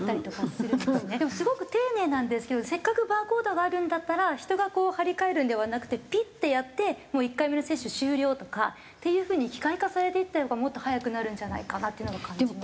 でもすごく丁寧なんですけどせっかくバーコードがあるんだったら人がこう貼り替えるんではなくてピッてやってもう１回目の接種終了とか。っていう風に機械化されていったほうがもっと早くなるんじゃないかなっていうのは感じます。